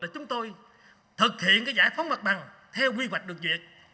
chúng tôi thực hiện giải phóng mặt bằng theo quy hoạch được duyệt